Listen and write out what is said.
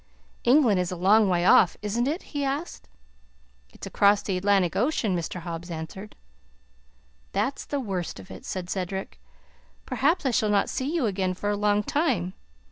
"England is a long way off, isn't it?" he asked. "It's across the Atlantic Ocean," Mr. Hobbs answered. "That's the worst of it," said Cedric. "Perhaps I shall not see you again for a long time.